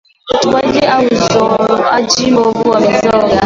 Utupaji au uzoaji mbovu wa mizoga